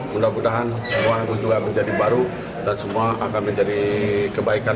mudah mudahan semua itu juga menjadi baru dan semua akan menjadi kebaikan